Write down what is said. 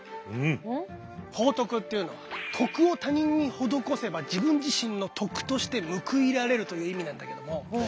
報徳っていうのは徳を他人に施せば自分自身の徳として報いられるという意味なんだけども。